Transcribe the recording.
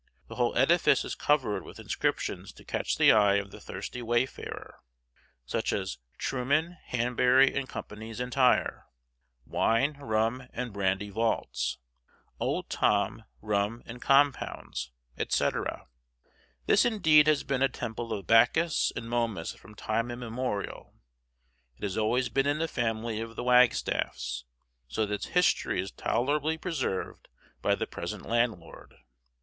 The whole edifice is covered with inscriptions to catch the eye of the thirsty wayfarer; such as "Truman, Hanbury, and Co's Entire," "Wine, Rum, and Brandy Vaults," "Old Tom, Rum, and Compounds," etc. This indeed has been a temple of Bacchus and Momus from time immemorial. It has always been in the family of the Wagstaffs, so that its history is tolerably preserved by the present landlord.